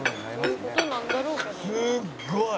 「すっごい！」